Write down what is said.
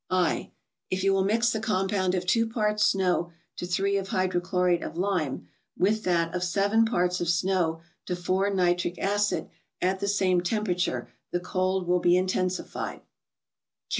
/.—If you will mix the compound of 2 parts snow to 3 of hydrochlorate of lime, with that of 7 parts of snow to 4 nitric acid, at the same temperature, the cold will be in¬ tensified.